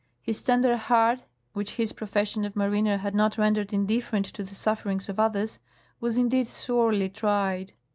His tender heart, which his profes sion of mariner had not rendered indifferent to the sufferings of others, was indeed sorely tried.